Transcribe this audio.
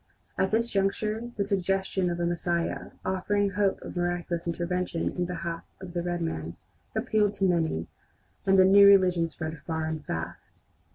At this juncture the suggestion of a Messiah, offering hope of miraculous intervention in behalf of the red man, appealed to many, and the "new religion" spread far and fast.